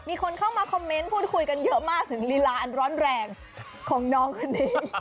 มีคนเข้ามาคอมเมนต์พูดคุยกันเยอะมากถึงลีลาอันร้อนแรงของน้องคนนี้